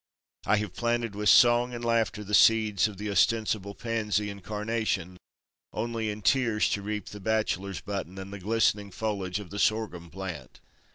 I have planted with song and laughter the seeds of the ostensible pansy and carnation, only in tears to reap the bachelor's button and the glistening foliage of the sorghum plant.